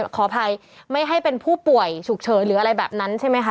ขออภัยไม่ให้เป็นผู้ป่วยฉุกเฉินหรืออะไรแบบนั้นใช่ไหมคะ